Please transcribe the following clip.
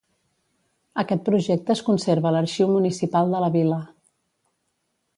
Aquest projecte es conserva a l'arxiu municipal de la vila.